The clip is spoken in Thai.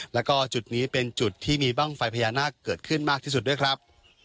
แล้วก็จุดนี้เป็นจุดที่มีบ้างไฟพญานาคเกิดขึ้นมากที่สุดด้วยครับ